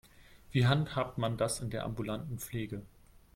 Wie handhabt man das in der ambulanten Pflege?